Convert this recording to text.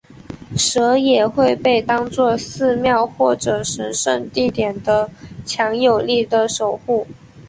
蛇也会被当做寺庙或者神圣地点的强有力的守护。